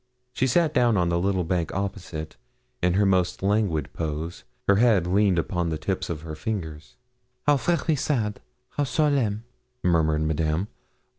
She sat down on the little bank opposite, in her most languid pose her head leaned upon the tips of her fingers. 'How very sad how solemn!' murmured Madame.